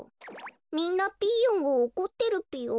みんなピーヨンをおこってるぴよ。